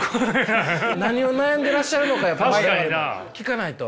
何を悩んでらっしゃるのかやっぱ我々も聞かないと。